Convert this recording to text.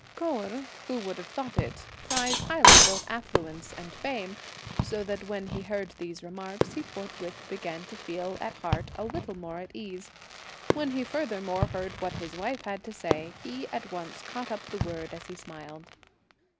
Kou Erh, who would have thought it, prized highly both affluence and fame, so that when he heard these remarks, he forthwith began to feel at heart a little more at ease. When he furthermore heard what his wife had to say, he at once caught up the word as he smiled.